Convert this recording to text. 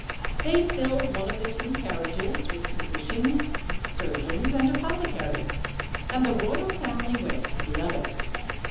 They filled one of the two carriages with physicians, surgeons, and apothecaries; and the royal family went in the other.